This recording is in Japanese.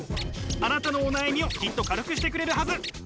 あなたのお悩みをきっと軽くしてくれるはず。